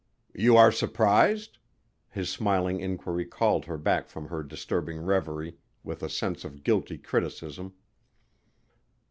"You are surprised?" His smiling inquiry called her back from her disturbing reverie with a sense of guilty criticism.